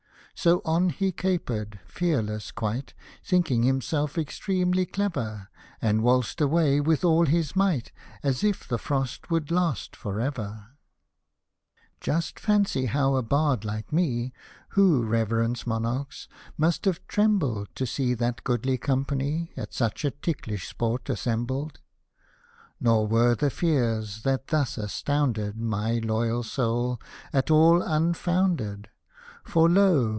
So, on he capered, fearless quite. Thinking himself extremely clever. And waltzed away with all his might, ^ As if the Frost would last for ever. Hosted by Google FABLES FOR THE HOLY ALLL\NCE 191 Just fancy how a bard like me, Who reverence monarchs, must have trembled To see that goodly company, At such a ticklish sport assembled. Nor were the fears, that thus astounded My loyal soul, at all unfounded — For, lo